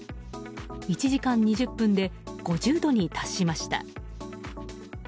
１時間２０分で５０度に達しました。